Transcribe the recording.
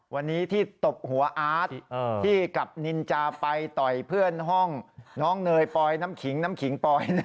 วันนี้ที่ตบหัวอาร์ตที่กับนินจาไปต่อยเพื่อนห้องน้องเนยปอยน้ำขิงน้ำขิงปอย